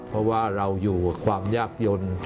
เพราะว่าเราอยู่กับความยากยนต์